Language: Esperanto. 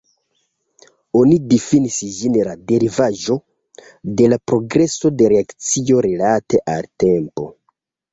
Oni difinis ĝin la derivaĵo de la progreso de reakcio rilate al tempo.